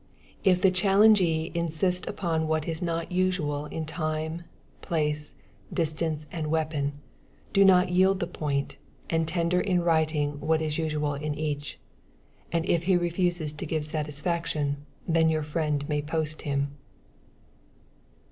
If the challengee insist upon what is not usual in time, place, distance and weapon, do not yield the point, and tender in writing what is usual in each, and if he refuses to give satisfaction, then your friend may post him.